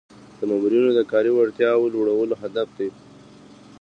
د مامورینو د کاري وړتیاوو لوړول هدف دی.